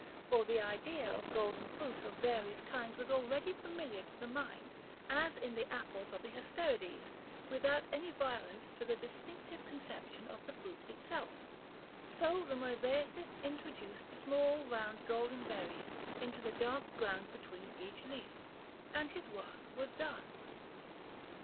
For the idea of golden fruit of various kinds was already familiar to the mind, as in the apples of the Hesperides, without any violence to the distinctive conception of the fruit itself. So the mosaicist introduced small round golden berries into the dark ground between each leaf, and his work was done. [Illustration: Plate IV. Mosaics of Olive tree and Flowers.] § XVII.